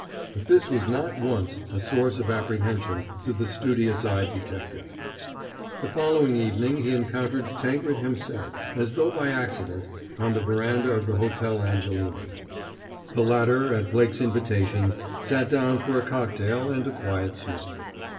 But this was not once a source of apprehension to the studious eyed detective. The following evening he encountered Tankred himself, as though by accident, on the veranda of the Hotel Angelini. The latter, at Blake's invitation, sat down for a cocktail and a quiet smoke.